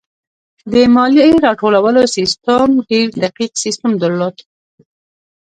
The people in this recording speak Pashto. د مالیې راټولولو سیستم ډېر دقیق سیستم درلود.